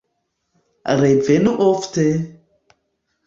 Revenu ofte!